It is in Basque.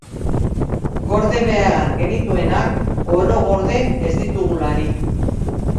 Gorde behar genituenak oro gorde ez ditugularik.